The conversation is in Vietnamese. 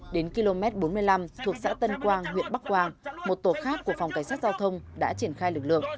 đến km bốn mươi năm thuộc xã tân quang huyện bắc quang một tổ khác của phòng cảnh sát giao thông đã triển khai lực lượng